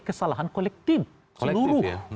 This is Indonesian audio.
kesalahan kolektif seluruh